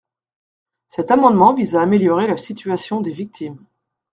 Cet amendement vise à améliorer la situation des victimes.